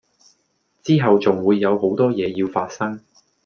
之後仲會有好多嘢要發生